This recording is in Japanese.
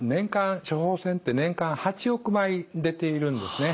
処方箋って年間８億枚出ているんですね。